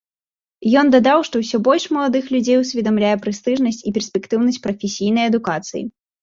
Ён дадаў, што ўсё больш маладых людзей усведамляе прэстыжнасць і перспектыўнасць прафесійнай адукацыі.